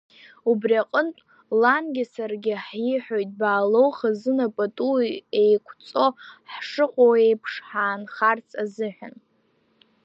Убри аҟынтә, лангьы саргьы ҳиҳәоит, Баалоу хазына, пату еиқәҵо ҳшыҟоу еиԥш, ҳаанхарц азыҳәан…